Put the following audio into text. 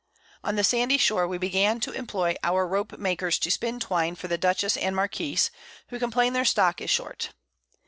On the sandy Shore we began to imploy our Rope makers to spin Twine for the Dutchess and Marquiss, who complain their Stock is short.